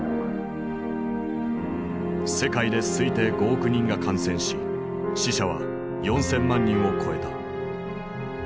世界で推定５億人が感染し死者は４，０００万人を超えた。